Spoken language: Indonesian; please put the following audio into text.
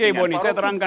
oke boni saya terangkan